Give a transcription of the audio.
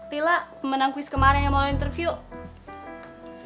lila pemenang quiz kemarin yang mau interview